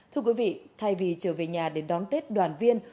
thưa quý vị thay vì trở về nhà để đón tết đoàn viên